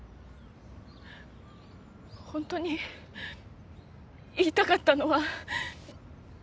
本当に言いたかったのは。